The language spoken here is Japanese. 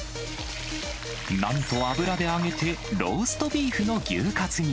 なんと油で揚げて、ローストビーフの牛カツに。